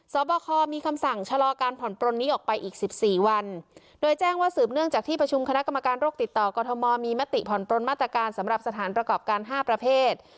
สอบคอมีคำสั่งชะลอการผ่อนปลนนี้ออกไปอีกสิบสี่วันโดยแจ้งว่าสืบเนื่องจากที่ประชุมคณะกรรมการโรคติดต่อกรทมมีมติผ่อนปลนมาตรการสำหรับสถานประกอบการ๕ประเภท